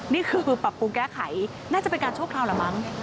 นี่คือปรับปรุงแก้ไขน่าจะเป็นการชั่วคราวเหรอมั้ง